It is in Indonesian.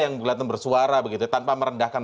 yang kelihatan bersuara begitu tanpa merendahkan